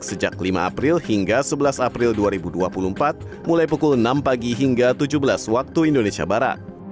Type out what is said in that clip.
sejak lima april hingga sebelas april dua ribu dua puluh empat mulai pukul enam pagi hingga tujuh belas waktu indonesia barat